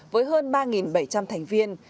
với hơn ba bảy trăm linh thành viên